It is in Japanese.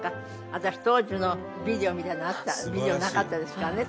私当時のビデオみたいなのあったらビデオなかったですからね